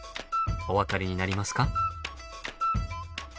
お分かりになりますか？